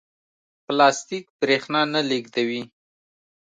پلاستیک برېښنا نه لېږدوي.